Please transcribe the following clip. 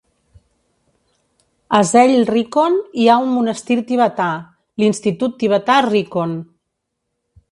A Zell-Rikon hi ha un monestir tibetà, l'institut tibetà Rikon.